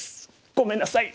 ごめんなさい。